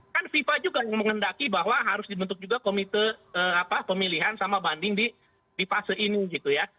kan fifa juga yang menghendaki bahwa harus dibentuk juga komite pemilihan sama banding di fase ini gitu ya